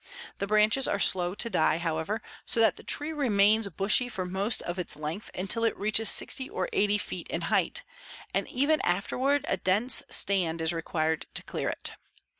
The branches are slow to die, however, so that the tree remains bushy for most of its length until it reaches 60 or 80 feet in height, and even afterward a dense stand is required to clear it.